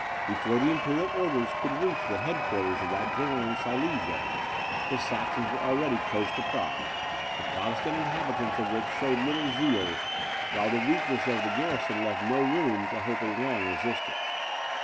Before the imperial orders could reach the head quarters of that general, in Silesia, the Saxons were already close to Prague, the Protestant inhabitants of which showed little zeal, while the weakness of the garrison left no room to hope a long resistance.